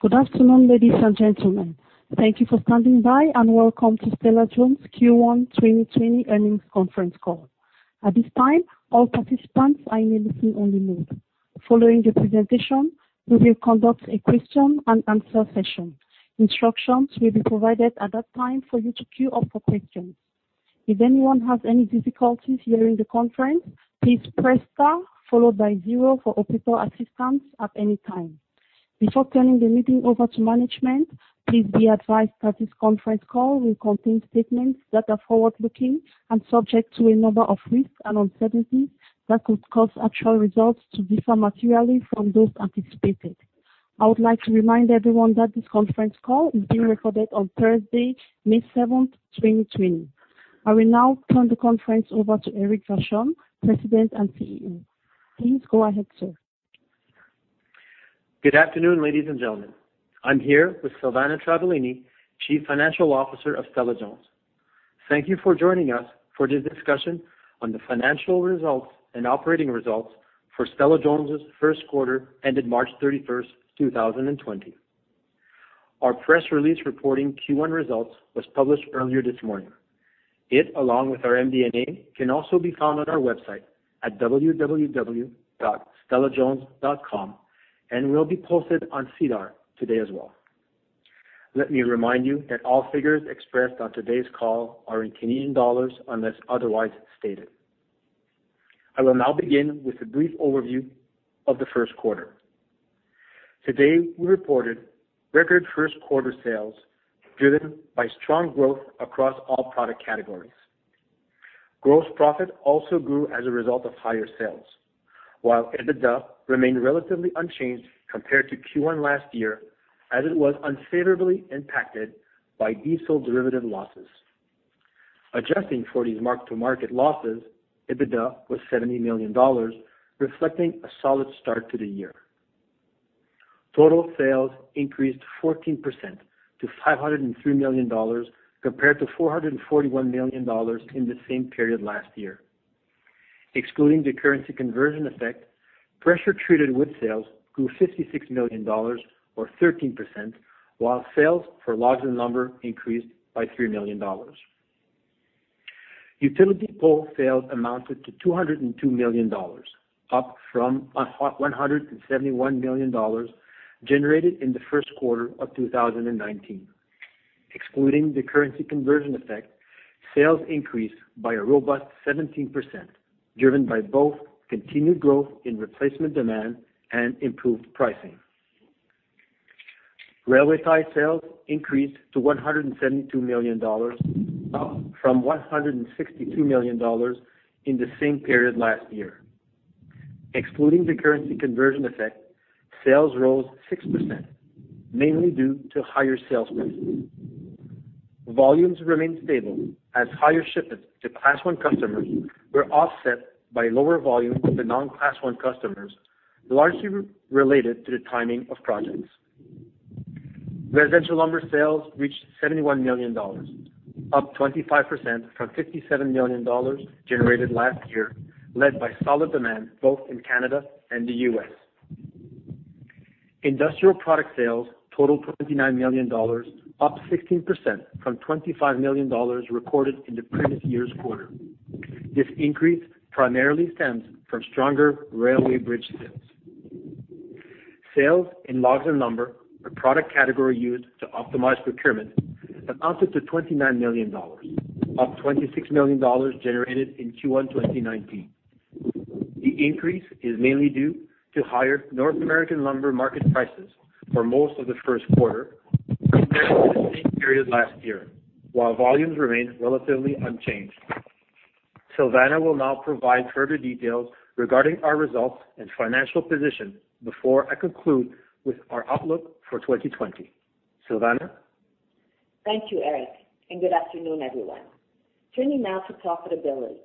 Good afternoon, ladies and gentlemen. Thank you for standing by and welcome to Stella-Jones' Q1 2020 earnings conference call. At this time, all participants are in a listen-only mode. Following the presentation, we will conduct a question and answer session. Instructions will be provided at that time for you to queue up for questions. If anyone has any difficulties hearing the conference, please press star followed by zero for operator assistance at any time. Before turning the meeting over to management, please be advised that this conference call will contain statements that are forward-looking and subject to a number of risks and uncertainties that could cause actual results to differ materially from those anticipated. I would like to remind everyone that this conference call is being recorded on Thursday 7th May, 2020. I will now turn the conference over to Éric Vachon, President and CEO. Please go ahead, sir. Good afternoon, ladies and gentlemen. I'm here with Silvana Travaglini, Chief Financial Officer of Stella-Jones. Thank you for joining us for this discussion on the financial results and operating results for Stella-Jones' first quarter ended 31st March, 2020. Our press release reporting Q1 results was published earlier this morning. It, along with our MD&A, can also be found on our website at www.stellajones.com and will be posted on SEDAR today as well. Let me remind you that all figures expressed on today's call are in Canadian dollars unless otherwise stated. I will now begin with a brief overview of the first quarter. Today, we reported record first-quarter sales driven by strong growth across all product categories. Gross profit also grew as a result of higher sales, while EBITDA remained relatively unchanged compared to Q1 last year, as it was unfavorably impacted by diesel derivative losses. Adjusting for these mark-to-market losses, EBITDA was 70 million dollars, reflecting a solid start to the year. Total sales increased 14% to 503 million dollars compared to 441 million dollars in the same period last year. Excluding the currency conversion effect, pressure-treated wood sales grew 56 million dollars or 13%, while sales for logs and lumber increased by 3 million dollars. Utility pole sales amounted to 202 million dollars, up from 171 million dollars generated in the first quarter of 2019. Excluding the currency conversion effect, sales increased by a robust 17%, driven by both continued growth in replacement demand and improved pricing. Railway tie sales increased to 172 million dollars, up from 162 million dollars in the same period last year. Excluding the currency conversion effect, sales rose 6%, mainly due to higher sales mix. Volumes remained stable as higher shipments to Class I customers were offset by lower volumes with the non-Class I customers, largely related to the timing of projects. Residential lumber sales reached 71 million dollars, up 25% from 57 million dollars generated last year, led by solid demand both in Canada and the U.S. Industrial product sales totaled 29 million dollars, up 16% from 25 million dollars recorded in the previous year's quarter. This increase primarily stems from stronger railway bridge sales. Sales in logs and lumber, a product category used to optimize procurement, amounted to 29 million dollars, up 26 million dollars generated in Q1 2019. The increase is mainly due to higher North American lumber market prices for most of the first quarter compared to the same period last year, while volumes remained relatively unchanged. Silvana will now provide further details regarding our results and financial position before I conclude with our outlook for 2020. Silvana? Thank you, Éric, and good afternoon, everyone. Turning now to profitability.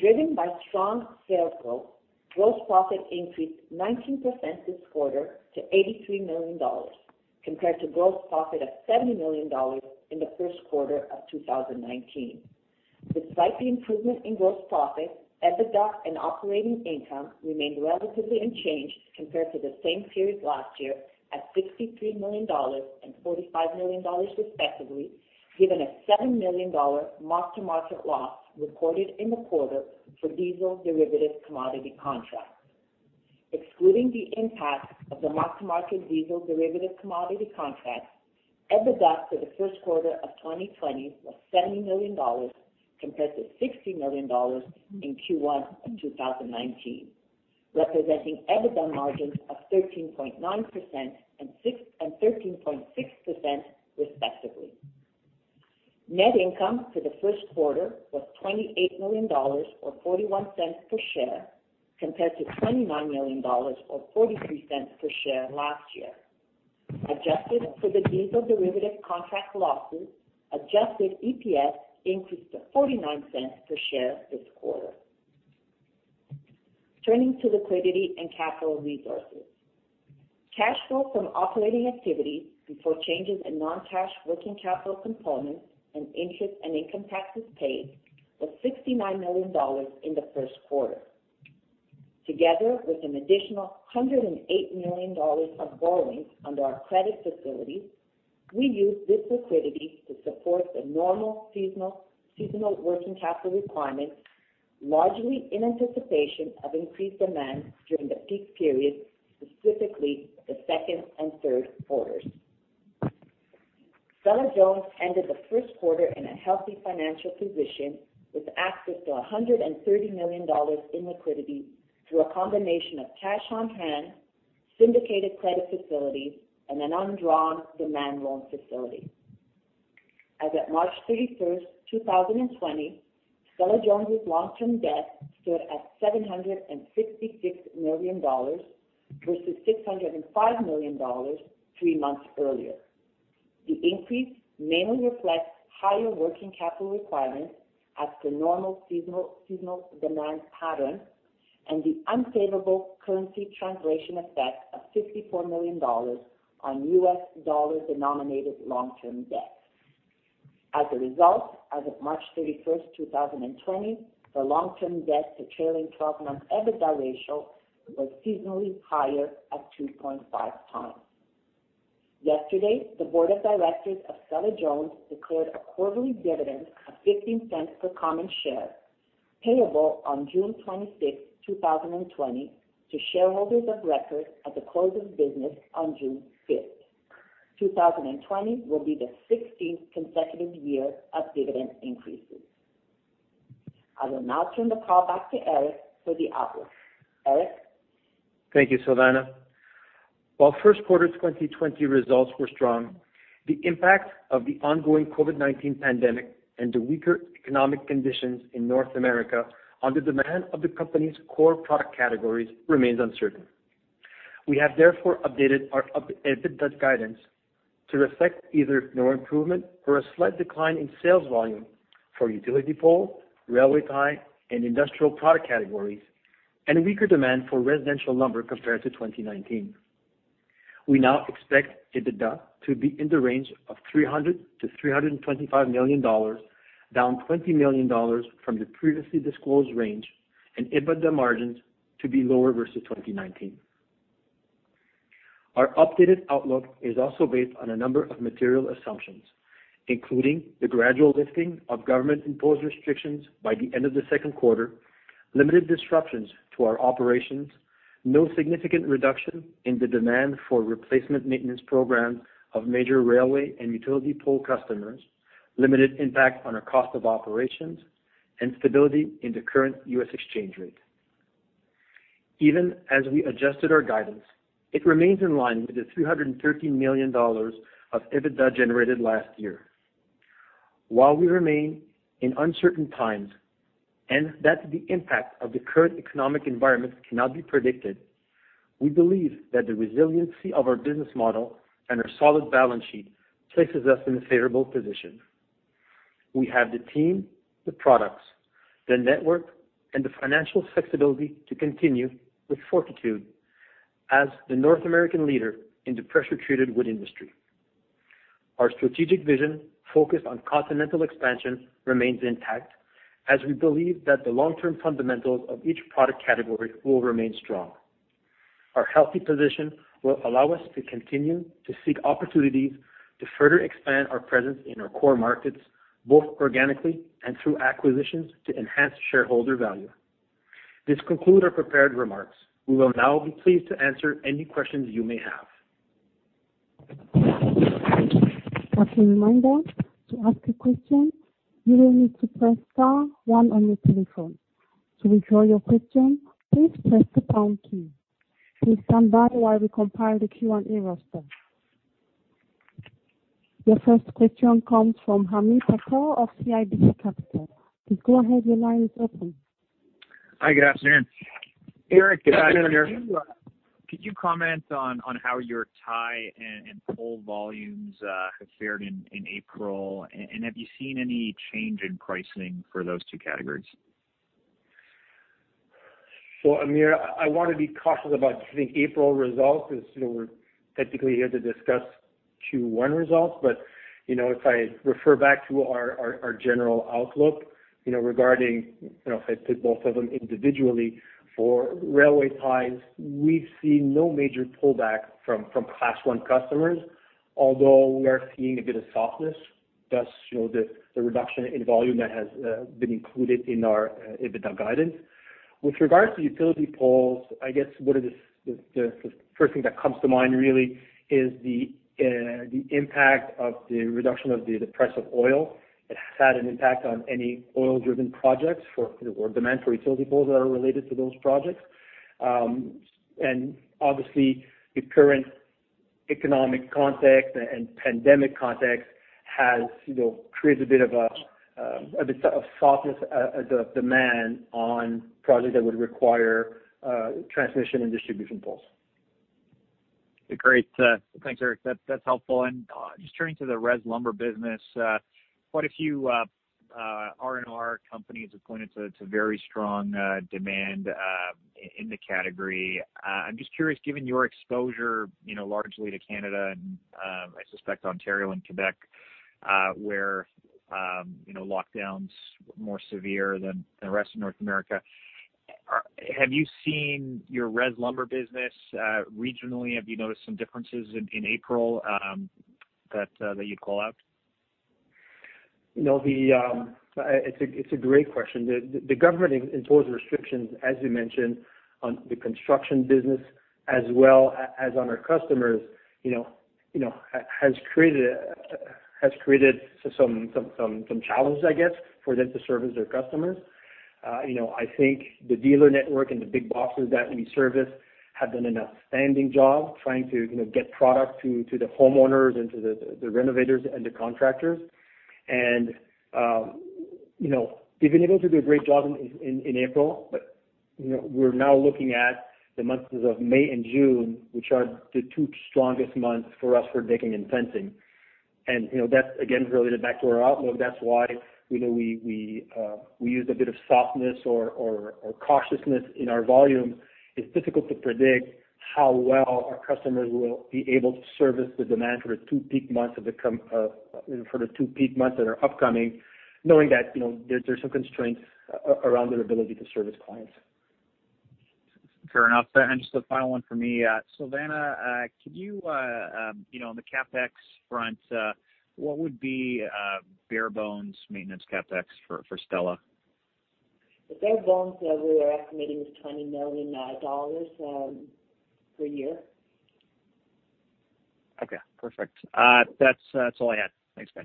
Driven by strong sales growth, gross profit increased 19% this quarter to 83 million dollars compared to gross profit of 70 million dollars in the first quarter of 2019. Despite the improvement in gross profit, EBITDA and operating income remained relatively unchanged compared to the same period last year at 63 million dollars and 45 million dollars, respectively, given a 7 million dollar mark-to-market loss recorded in the quarter for diesel derivative commodity contracts. Excluding the impact of the mark-to-market diesel derivative commodity contract, EBITDA for the first quarter of 2020 was 70 million dollars, compared to 60 million dollars in Q1 of 2019, representing EBITDA margins of 13.9% and 13.6%, respectively. Net income for the first quarter was 28 million dollars or 0.41 per share, compared to 29 million dollars or 0.43 per share last year. Adjusted for the diesel derivative contract losses, adjusted EPS increased to 0.49 per share this quarter. Turning to liquidity and capital resources. Cash flow from operating activities before changes in non-cash working capital components and interest and income taxes paid was 69 million dollars in the first quarter. Together with an additional 108 million dollars of borrowings under our credit facilities, we used this liquidity to support the normal seasonal working capital requirements, largely in anticipation of increased demand during the peak period, specifically the second and third quarters. Stella-Jones ended the first quarter in a healthy financial position with access to 130 million dollars in liquidity through a combination of cash on hand, syndicated credit facilities, and an undrawn demand loan facility. As at 31st March, 2020, Stella-Jones' long-term debt stood at 766 million dollars versus 605 million dollars three months earlier. The increase mainly reflects higher working capital requirements as per normal seasonal demand patterns and the unfavorable currency translation effect of $54 million on U.S. dollar-denominated long-term debt. As a result, as of 31st March, 2020, the long-term debt to trailing 12-month EBITDA ratio was seasonally higher at 2.5 times. Yesterday, the board of directors of Stella-Jones declared a quarterly dividend of 0.15 per common share, payable on 26th June, 2020, to shareholders of record at the close of business on 5th June. 2020 will be the 16th consecutive year of dividend increases. I will now turn the call back to Éric for the outlook. Éric? Thank you, Silvana. While first quarter 2020 results were strong, the impact of the ongoing COVID-19 pandemic and the weaker economic conditions in North America on the demand of the company's core product categories remains uncertain. We have therefore updated our EBITDA guidance to reflect either no improvement or a slight decline in sales volume for utility pole, railway tie, and industrial products categories, and weaker demand for residential lumber compared to 2019. We now expect EBITDA to be in the range of 300 million-325 million dollars, down 20 million dollars from the previously disclosed range, and EBITDA margins to be lower versus 2019. Our updated outlook is also based on a number of material assumptions, including the gradual lifting of government-imposed restrictions by the end of the second quarter, limited disruptions to our operations, no significant reduction in the demand for replacement maintenance programs of major railway and utility pole customers, limited impact on our cost of operations, and stability in the current US exchange rate. Even as we adjusted our guidance, it remains in line with the 313 million dollars of EBITDA generated last year. While we remain in uncertain times, and that the impact of the current economic environment cannot be predicted, we believe that the resiliency of our business model and our solid balance sheet places us in a favorable position. We have the team, the products, the network, and the financial flexibility to continue with fortitude as the North American leader in the pressure-treated wood industry. Our strategic vision focused on continental expansion remains intact, as we believe that the long-term fundamentals of each product category will remain strong. Our healthy position will allow us to continue to seek opportunities to further expand our presence in our core markets, both organically and through acquisitions to enhance shareholder value. This concludes our prepared remarks. We will now be pleased to answer any questions you may have. As a reminder, to ask a question, you will need to press star one on your telephone. To withdraw your question, please press the pound key. Please stand by while we compile the Q&A roster. Your first question comes from Hamir Patel of CIBC Capital Markets. Please go ahead, your line is open. Hi, good afternoon. Éric, good afternoon. Could you comment on how your tie and pole volumes have fared in April, and have you seen any change in pricing for those two categories? Hamir, I want to be cautious about giving April results as we're technically here to discuss Q1 results. If I refer back to our general outlook regarding if I took both of them individually, for railway ties, we've seen no major pullback from Class I customers, although we are seeing a bit of softness, thus, the reduction in volume that has been included in our EBITDA guidance. With regards to utility poles, I guess the first thing that comes to mind really is the impact of the reduction of the price of oil. It has had an impact on any oil-driven projects or demand for utility poles that are related to those projects. Obviously, the current economic context and pandemic context has created a bit of softness of demand on projects that would require transmission and distribution poles. Great. Thanks, Éric. That's helpful. Just turning to the res lumber business, quite a few R&R companies have pointed to very strong demand in the category. I'm just curious, given your exposure largely to Canada and I suspect Ontario and Quebec where lockdowns were more severe than the rest of North America. Have you seen your res lumber business regionally? Have you noticed some differences in April that you'd call out? It's a great question. The government imposed restrictions, as you mentioned, on the construction business as well as on our customers, has created some challenges, I guess, for them to service their customers. I think the dealer network and the big boxes that we service have done an outstanding job trying to get product to the homeowners and to the renovators and the contractors. They've been able to do a great job in April, but we're now looking at the months of May and June, which are the two strongest months for us for decking and fencing. That's again, related back to our outlook. That's why we used a bit of softness or cautiousness in our volume. It's difficult to predict how well our customers will be able to service the demand for the two peak months that are upcoming, knowing that there's some constraints around their ability to service clients. Fair enough. Just a final one for me. Silvana, on the CapEx front, what would be bare bones maintenance CapEx for Stella? The bare bones that we are estimating is 20 million dollars per year. Okay, perfect. That's all I had. Thanks, guys.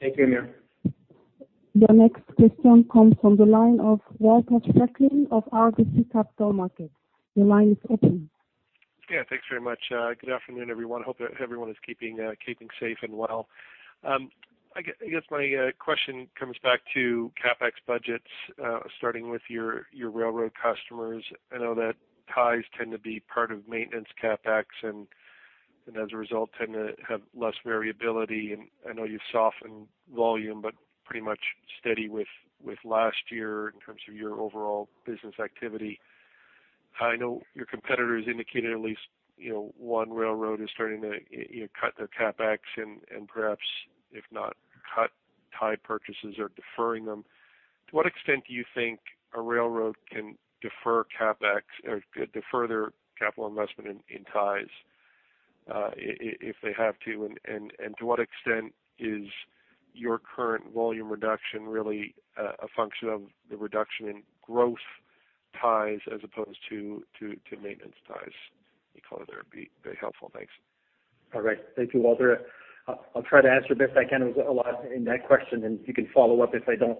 Thank you, Hamir. Your next question comes from the line of Walter Spracklin of RBC Capital Markets. Your line is open. Yeah. Thanks very much. Good afternoon, everyone. Hope everyone is keeping safe and well. I guess my question comes back to CapEx budgets, starting with your railroad customers. I know that ties tend to be part of maintenance CapEx, and as a result, tend to have less variability. I know you've softened volume, but pretty much steady with last year in terms of your overall business activity. I know your competitors indicated at least one railroad is starting to cut their CapEx and perhaps if not cut tie purchases or deferring them. To what extent do you think a railroad can defer their capital investment in ties if they have to, and to what extent is your current volume reduction really a function of the reduction in growth ties as opposed to maintenance ties? Any color there would be very helpful. Thanks. All right. Thank you, Walter. I'll try to answer the best I can. There was a lot in that question, and you can follow up if I don't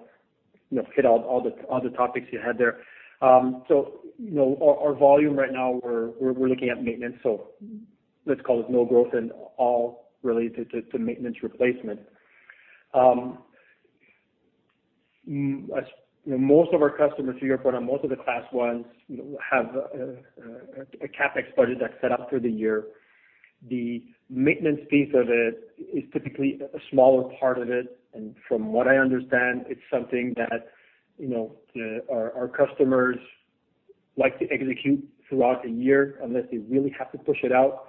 hit all the topics you had there. Our volume right now, we're looking at maintenance, so let's call it no growth and all really to maintenance replacement. Most of our customers, to your point, on most of the Class Is have a CapEx budget that's set out for the year. The maintenance piece of it is typically a smaller part of it, and from what I understand, it's something that our customers like to execute throughout the year unless they really have to push it out.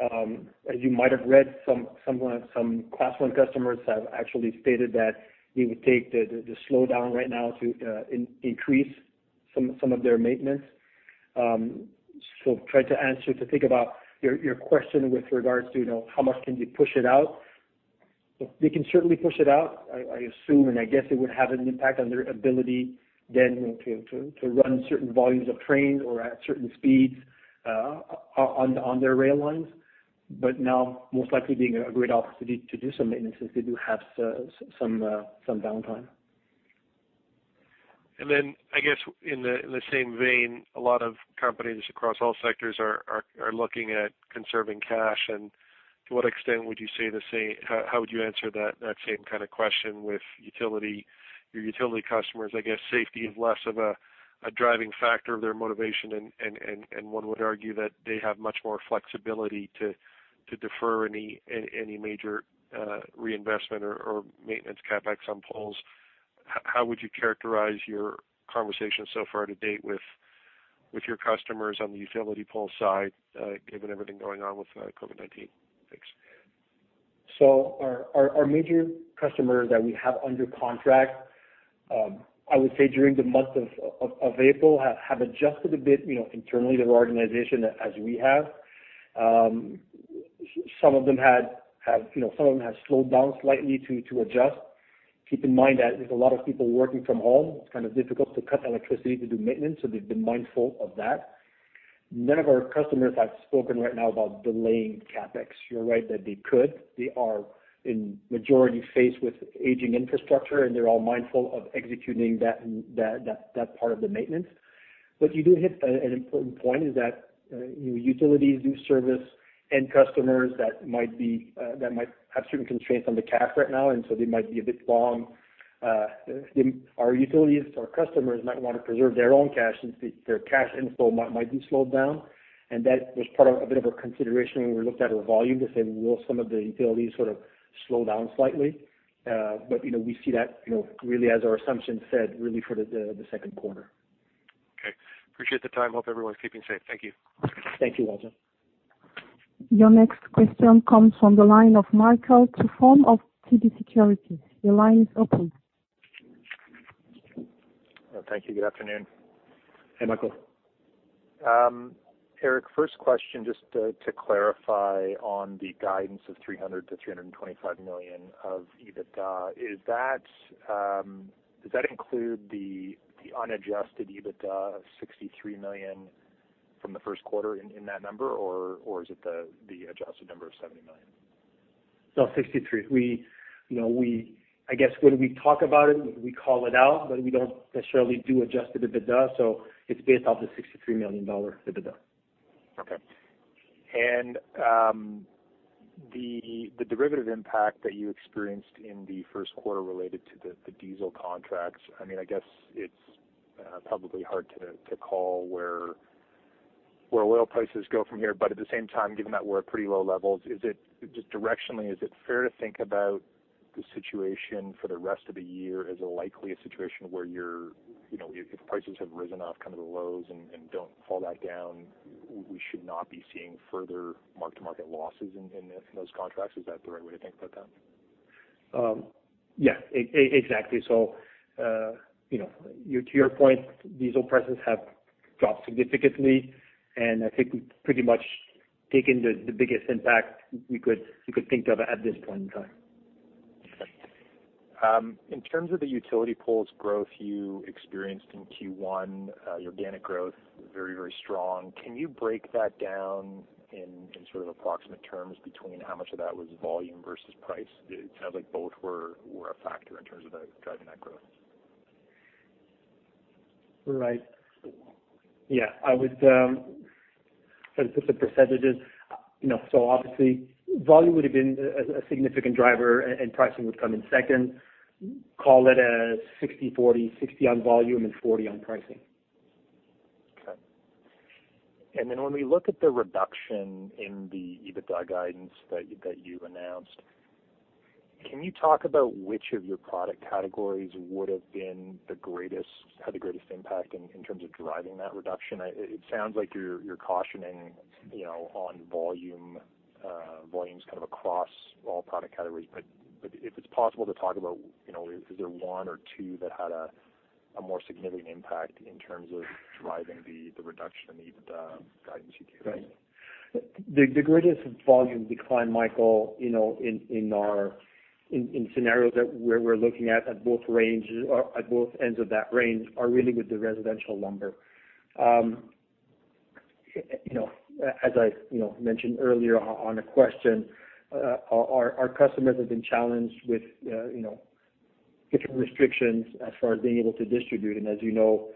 As you might have read, some Class I customers have actually stated that they would take the slowdown right now to increase some of their maintenance. Try to answer, to think about your question with regards to how much can they push it out. They can certainly push it out, I assume, and I guess it would have an impact on their ability then to run certain volumes of trains or at certain speeds on their rail lines. Now most likely being a great opportunity to do some maintenance as they do have some downtime. I guess in the same vein, a lot of companies across all sectors are looking at conserving cash. How would you answer that same kind of question with your utility customers? I guess safety is less of a driving factor of their motivation and one would argue that they have much more flexibility to defer any major reinvestment or maintenance CapEx on poles. How would you characterize your conversations so far to date with your customers on the utility pole side given everything going on with COVID-19? Thanks. Our major customers that we have under contract, I would say during the month of April, have adjusted a bit internally their organization as we have. Some of them have slowed down slightly to adjust. Keep in mind that there's a lot of people working from home. It's kind of difficult to cut electricity to do maintenance, so they've been mindful of that. None of our customers have spoken right now about delaying CapEx. You're right that they could. They are in majority faced with aging infrastructure, and they're all mindful of executing that part of the maintenance. You do hit an important point is that utilities do service end customers that might have certain constraints on the cash right now, and so they might be a bit long. Our utilities, our customers might want to preserve their own cash since their cash install might be slowed down, and that was part of a bit of a consideration when we looked at our volume to say, will some of the utilities sort of slow down slightly? we see that really as our assumption set really for the second quarter. Okay. Appreciate the time. Hope everyone's keeping safe. Thank you. Thank you, Walter. Your next question comes from the line of Michael Tupholme from TD Securities. Your line is open. Thank you. Good afternoon. Hey, Michael. Éric, first question just to clarify on the guidance of 300-325 million of EBITDA. Does that include the unadjusted EBITDA of 63 million from the first quarter in that number, or is it the adjusted number of 70 million? No, 63. I guess when we talk about it, we call it out, but we don't necessarily do adjusted EBITDA, so it's based off the 63 million dollar EBITDA. Okay. The derivative impact that you experienced in the first quarter related to the diesel contracts, I guess it's probably hard to call where oil prices go from here. At the same time, given that we're at pretty low levels, just directionally, is it fair to think about the situation for the rest of the year as a likely situation where if prices have risen off the lows and don't fall back down, we should not be seeing further mark-to-market losses in those contracts? Is that the right way to think about that? Yeah, exactly. to your point, diesel prices have dropped significantly, and I think we've pretty much taken the biggest impact we could think of at this point in time. In terms of the utility poles growth you experienced in Q1, your organic growth, very, very strong. Can you break that down in sort of approximate terms between how much of that was volume versus price? It sounds like both were a factor in terms of driving that growth. Right. Yeah. As of the percentages, so obviously volume would've been a significant driver and pricing would come in second, call it a 60-40, 60 on volume and 40 on pricing. Okay. when we look at the reduction in the EBITDA guidance that you announced, can you talk about which of your product categories would've been the greatest, had the greatest impact in terms of driving that reduction? It sounds like you're cautioning on volume, volumes kind of across all product categories. if it's possible to talk about, is there one or two that had a more significant impact in terms of driving the reduction in the EBITDA guidance you gave? Right. The greatest volume decline, Michael, in scenarios that we're looking at both ends of that range are really with the residential lumber. As I mentioned earlier on a question, our customers have been challenged with different restrictions as far as being able to distribute. As you know,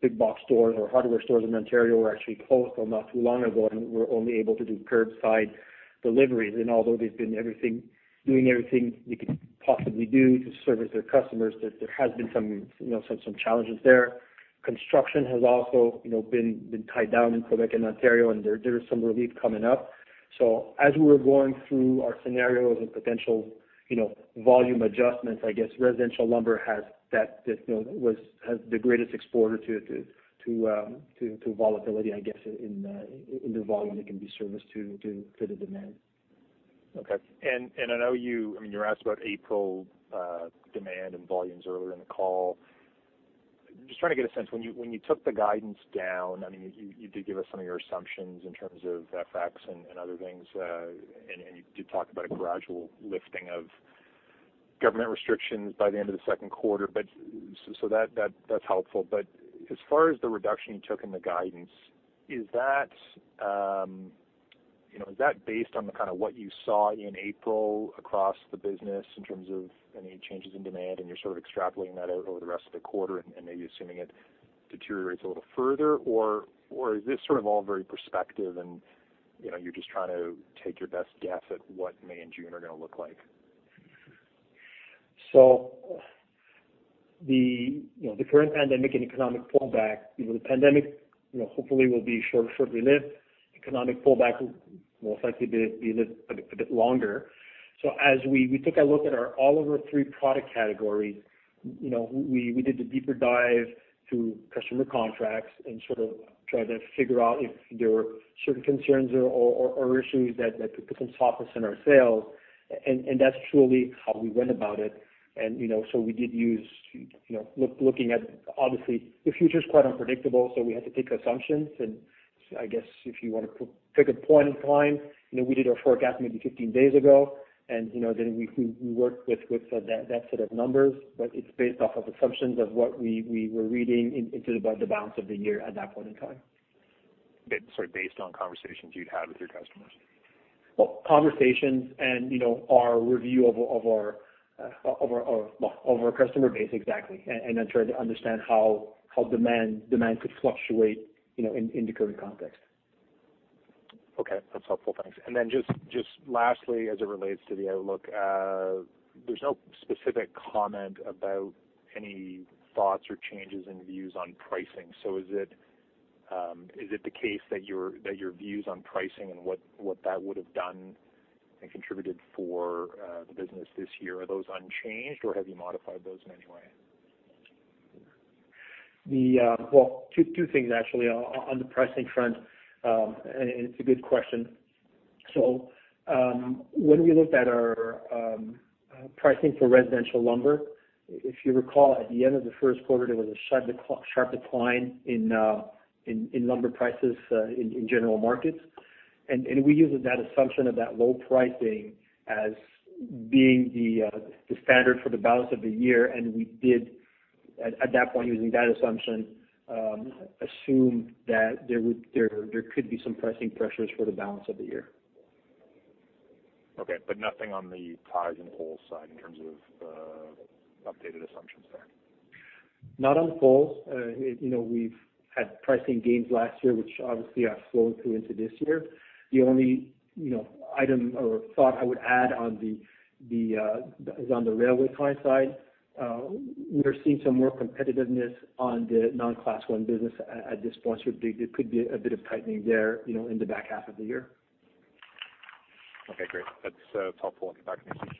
big box stores or hardware stores in Ontario were actually closed until not too long ago, and were only able to do curbside deliveries. Although they've been doing everything they could possibly do to service their customers, there has been some challenges there. Construction has also been tied down in Quebec and Ontario, and there is some relief coming up. As we were going through our scenarios and potential volume adjustments, I guess residential lumber has the greatest exposure to volatility, I guess, in the volume that can be serviced to the demand. Okay. I know you were asked about April demand and volumes earlier in the call. Just trying to get a sense, when you took the guidance down, you did give us some of your assumptions in terms of FX and other things, and you did talk about a gradual lifting of government restrictions by the end of the second quarter, so that's helpful. As far as the reduction you took in the guidance, is that based on the kind of what you saw in April across the business in terms of any changes in demand, and you're sort of extrapolating that out over the rest of the quarter and maybe assuming it deteriorates a little further, or is this sort of all very prospective and you're just trying to take your best guess at what May and June are gonna look like? The current pandemic and economic pullback, the pandemic hopefully will be short-lived. Economic pullback will most likely be a bit longer. As we took a look at all of our three product categories, we did a deeper dive through customer contracts and sort of tried to figure out if there were certain concerns or issues that could come to us in our sales. That's truly how we went about it. We did use. Looking at, obviously, the future's quite unpredictable, so we had to make assumptions, and I guess if you want to pick a point in time, we did our forecast maybe 15 days ago, and then we worked with that set of numbers. It's based off of assumptions of what we were reading into the balance of the year at that point in time. Sorry, based on conversations you'd had with your customers? Well, conversations and our review of our customer base, exactly, and then trying to understand how demand could fluctuate in the current context. Okay. That's helpful. Thanks. just lastly, as it relates to the outlook, there's no specific comment about any thoughts or changes in views on pricing. is it Is it the case that your views on pricing and what that would have done and contributed for the business this year, are those unchanged or have you modified those in any way? Well, two things actually. On the pricing front, and it's a good question. When we looked at our pricing for residential lumber, if you recall, at the end of the first quarter, there was a sharp decline in lumber prices in general markets. We used that assumption of that low pricing as being the standard for the balance of the year. We did at that point, using that assumption, assume that there could be some pricing pressures for the balance of the year. Okay. Nothing on the ties and poles side in terms of updated assumptions there. Not on poles. We've had pricing gains last year, which obviously have slowed through into this year. The only item or thought I would add is on the railway tie side. We're seeing some more competitiveness on the non-Class I business at this point. There could be a bit of tightening there in the back half of the year. Okay, great. That's helpful, Éric. Thank you.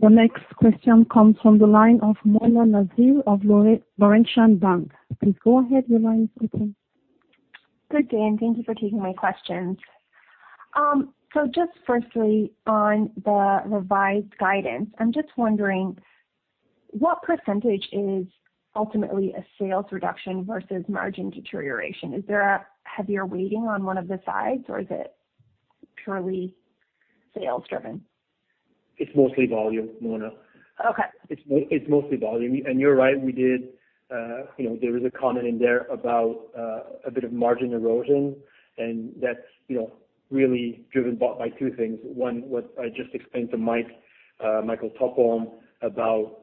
The next question comes from the line of Mona Nazir of Laurentian Bank. Please go ahead, your line is open. Good day, and thank you for taking my questions. Just firstly on the revised guidance, I'm just wondering what percentage is ultimately a sales reduction versus margin deterioration? Is there a heavier weighting on one of the sides or is it purely sales driven? It's mostly volume, Mona. Okay. It's mostly volume. You're right, there is a comment in there about a bit of margin erosion, and that's really driven by two things. One, what I just explained to Michael, Michael Tupholme about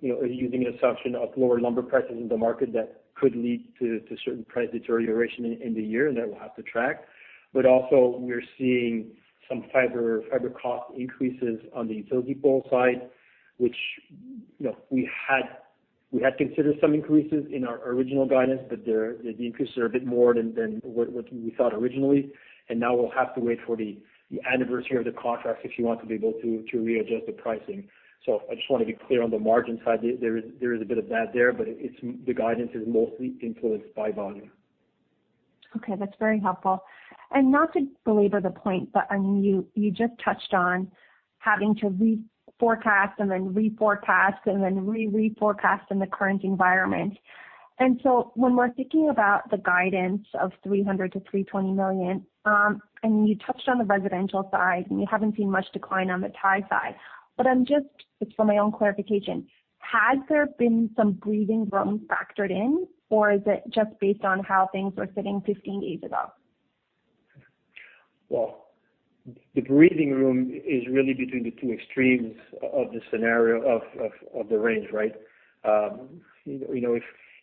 using an assumption of lower lumber prices in the market that could lead to certain price deterioration in the year and that we'll have to track. Also we're seeing some fiber cost increases on the utility pole side, which we had considered some increases in our original guidance, but the increases are a bit more than what we thought originally. Now we'll have to wait for the anniversary of the contracts if we want to be able to readjust the pricing. I just want to be clear on the margin side, there is a bit of that there, but the guidance is mostly influenced by volume. Okay, that's very helpful. Not to belabor the point, but you just touched on having to reforecast and then reforecast and then re-reforecast in the current environment. When we're thinking about the guidance of 300 million-325 million, and you touched on the residential side, and you haven't seen much decline on the tie side. It's for my own clarification, has there been some breathing room factored in, or is it just based on how things were sitting 15 days ago? Well, the breathing room is really between the two extremes of the range, right?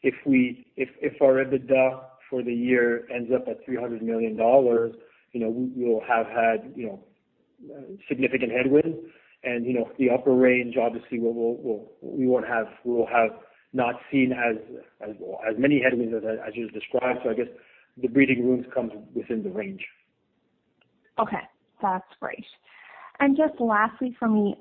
If our EBITDA for the year ends up at 300 million dollars, we'll have had significant headwind and the upper range, obviously we'll have not seen as many headwinds as you described. I guess the breathing room comes within the range. Okay, that's great. just lastly from me,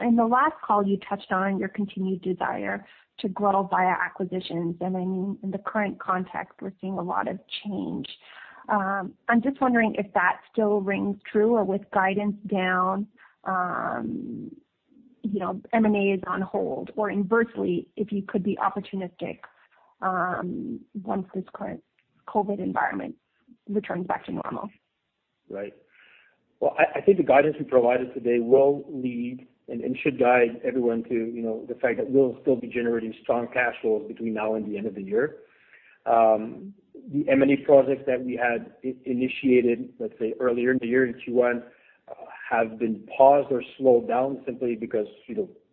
in the last call, you touched on your continued desire to grow via acquisitions. in the current context, we're seeing a lot of change. I'm just wondering if that still rings true or with guidance down, M&A is on hold or inversely if you could be opportunistic once this current COVID environment returns back to normal. Right. Well, I think the guidance we provided today will lead and should guide everyone to the fact that we'll still be generating strong cash flows between now and the end of the year. The M&A projects that we had initiated, let's say earlier in the year in Q1, have been paused or slowed down simply because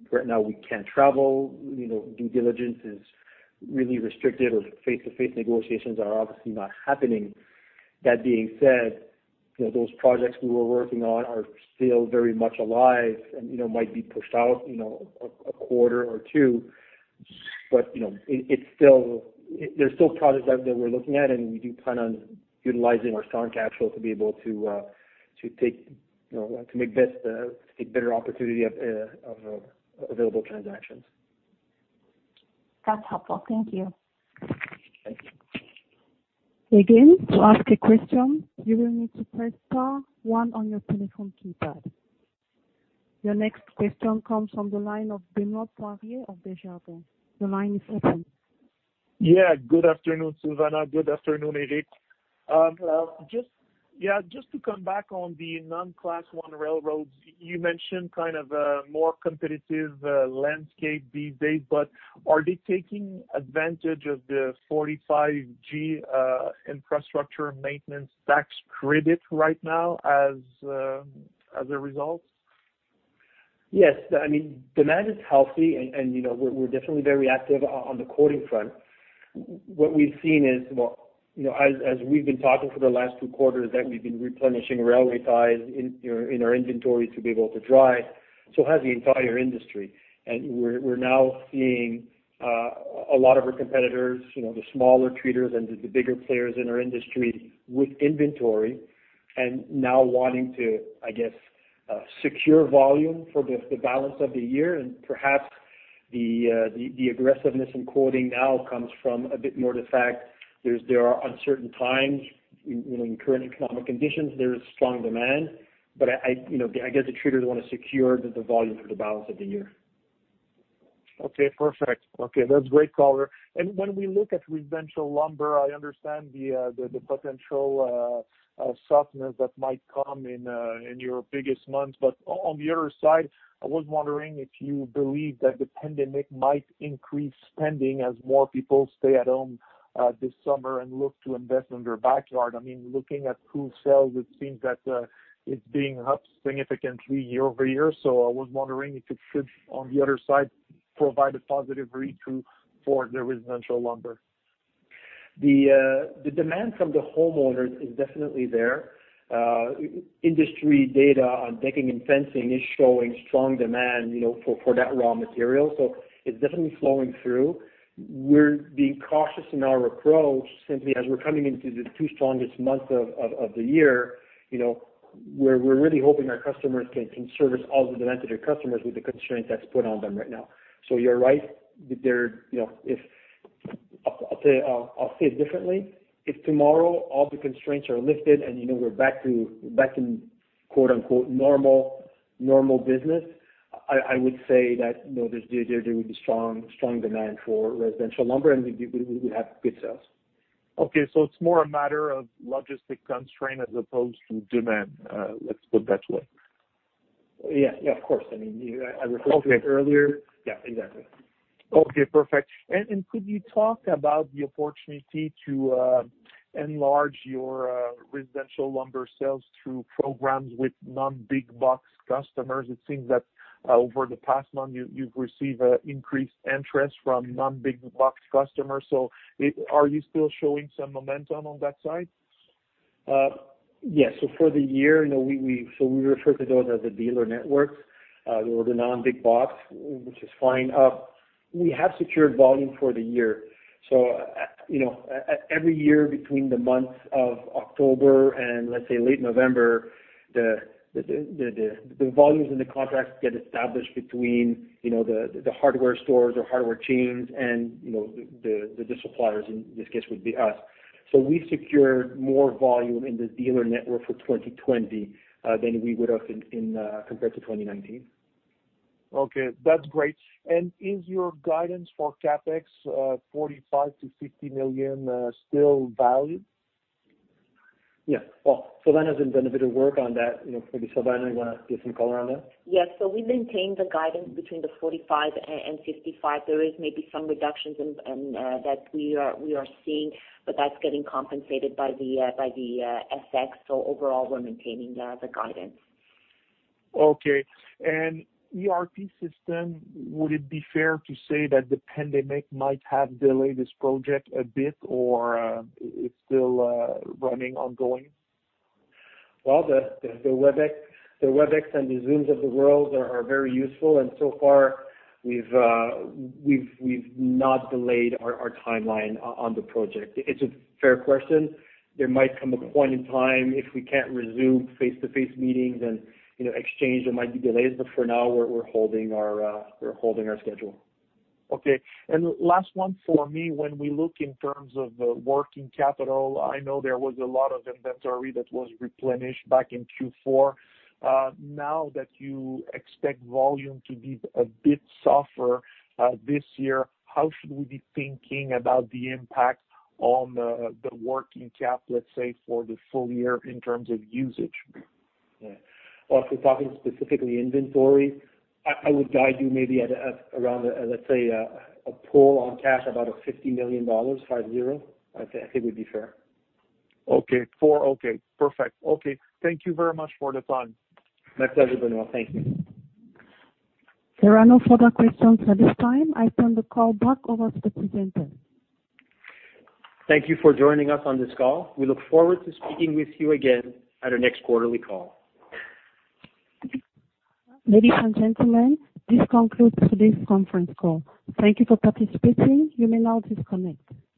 right now we can't travel. Due diligence is really restricted or face-to-face negotiations are obviously not happening. That being said, those projects we were working on are still very much alive and might be pushed out a quarter or two. There's still projects that we're looking at, and we do plan on utilizing our strong cash flow to be able to make better opportunity of available transactions. That's helpful. Thank you. Thank you. Again, to ask a question, you will need to press star one on your telephone keypad. Your next question comes from the line of Benoit Poirier of Desjardins. Your line is open. Yeah. Good afternoon, Silvana. Good afternoon, Éric. Yeah, just to come back on the non-Class I railroads, you mentioned kind of a more competitive landscape these days, but are they taking advantage of the 45G infrastructure maintenance tax credit right now as a result? Yes. Demand is healthy and we're definitely very active on the quoting front. What we've seen is, as we've been talking for the last two quarters, that we've been replenishing railway ties in our inventory to be able to drive, so has the entire industry. We're now seeing a lot of our competitors, the smaller treaters and the bigger players in our industry with inventory. Now wanting to, I guess, secure volume for the balance of the year, and perhaps the aggressiveness in quoting now comes from a bit more the fact there are uncertain times in current economic conditions. There's strong demand, but I guess the traders want to secure the volume for the balance of the year. Okay, perfect. Okay. That's great color. When we look at residential lumber, I understand the potential softness that might come in your biggest months. On the other side, I was wondering if you believe that the pandemic might increase spending as more people stay at home this summer and look to invest in their backyard. Looking at pool sales, it seems that it's being up significantly year-over-year. I was wondering if it should, on the other side, provide a positive read-through for the residential lumber. The demand from the homeowners is definitely there. Industry data on decking and fencing is showing strong demand for that raw material. It's definitely flowing through. We're being cautious in our approach, simply as we're coming into the two strongest months of the year. We're really hoping our customers can service all the demand to their customers with the constraints that's put on them right now. You're right. I'll say it differently. If tomorrow all the constraints are lifted and we're back in quote-unquote "normal business," I would say that there would be strong demand for residential lumber, and we would have good sales. Okay, it's more a matter of logistic constraint as opposed to demand. Let's put it that way. Yeah, of course. I mean Okay I referred to it earlier. Yeah, exactly. Okay, perfect. Could you talk about the opportunity to enlarge your residential lumber sales through programs with non-big box customers? It seems that over the past month, you've received increased interest from non-big box customers. Are you still showing some momentum on that side? Yeah. For the year, so we refer to those as the dealer networks or the non-big box, which is fine. We have secured volume for the year. Every year between the months of October and, let's say, late November, the volumes and the contracts get established between the hardware stores or hardware chains and the suppliers, in this case, would be us. We secured more volume in the dealer network for 2020 than we would have compared to 2019. Okay, that's great. Is your guidance for CapEx 45 million-50 million still valid? Yeah. Well, Silvana has been doing a bit of work on that. Maybe Silvana, you want to give some color on that? Yes. We maintain the guidance between the 45 and 55. There is maybe some reductions that we are seeing, but that's getting compensated by the FX. Overall, we're maintaining the guidance. Okay. ERP system, would it be fair to say that the pandemic might have delayed this project a bit, or it's still running ongoing? Well, the Webex and the Zoom of the world are very useful, and so far we've not delayed our timeline on the project. It's a fair question. There might come a point in time if we can't resume face-to-face meetings and exchange, there might be delays, but for now, we're holding our schedule. Okay. Last one for me. When we look in terms of the working capital, I know there was a lot of inventory that was replenished back in Q4. Now that you expect volume to be a bit softer this year, how should we be thinking about the impact on the working cap, let's say, for the full year in terms of usage? Yeah. Well, if we're talking specifically inventory, I would guide you maybe at around, let's say, a pull on cash about 50 million dollars, 50. I think it would be fair. Okay. Perfect. Okay. Thank you very much for the time. My pleasure, Benoit. Thank you. There are no further questions at this time. I turn the call back over to the presenters. Thank you for joining us on this call. We look forward to speaking with you again at our next quarterly call. Ladies and gentlemen, this concludes today's conference call. Thank you for participating. You may now disconnect.